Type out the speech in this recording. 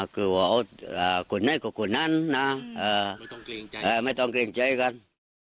คือว่าเอาคนไหนก็กดนั้นนะไม่ต้องเกรงใจกัน